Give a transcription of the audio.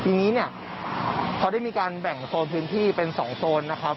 ทีนี้เนี่ยเขาได้มีการแบ่งโซนพื้นที่เป็น๒โซนนะครับ